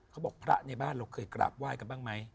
เขาบอกพระในบ้านเราเคยกราบว่ายกันบ้างไหม